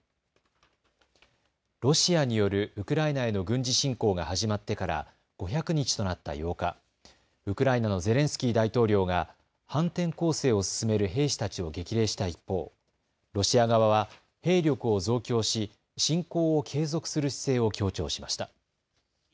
ロシアによるウクライナへの軍事侵攻が始まってから５００日となった８日、ウクライナのゼレンスキー大統領が反転攻勢を進める兵士たちを激励した一方、ロシア側は兵力を増強し侵攻を継続する姿勢を強調しました。